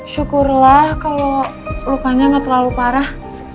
syukurlah kalo lukanya ga terlalu parah